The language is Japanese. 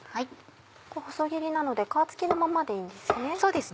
細切りなので皮付きのままでいいんですね？